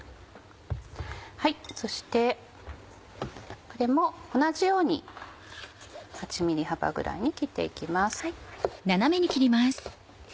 そしてこれも同じように８ｍｍ幅ぐらいに切って行きます。